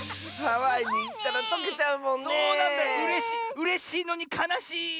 うれしいのにかなしい。